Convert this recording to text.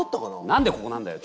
何でここなんだよ？